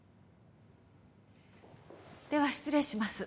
では失礼します